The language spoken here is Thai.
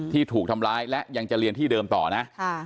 ถูกทำร้ายและยังจะเรียนที่เดิมต่อนะ